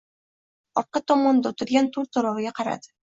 Orqa tomonda o’tirgan to’rtaloviga qaradi.